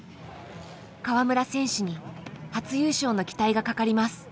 川村選手に初優勝の期待がかかります。